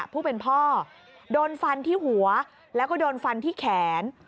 ผู้เป็นพ่อโดนฟันที่หัวแล้วก็โดนฟันที่แขน